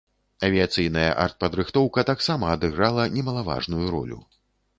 Авіяцыйная артпадрыхтоўка таксама адыграла немалаважную ролю.